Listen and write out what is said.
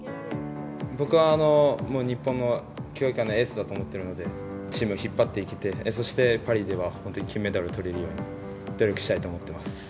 僕はもう日本の競泳界のエースだと思ってるので、チームを引っ張っていって、そしてパリでは本当に金メダルをとれるように、努力したいと思ってます。